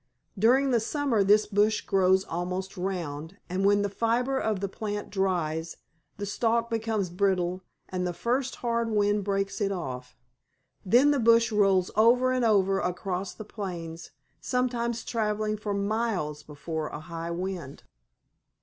During the summer this bush grows almost round, and when the fibre of the plant dries the stalk becomes brittle and the first hard wind breaks it off; then the bush rolls over and over across the plains, sometimes traveling for miles before a high wind."